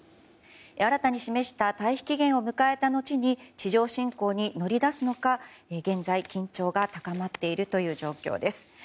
新たに示した退避期限を迎えた後に地上侵攻に乗り出すのか、現在緊張が高まっている状況です。